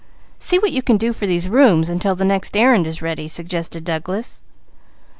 "See what you can do for these rooms, until the next errand is ready," suggested Douglas.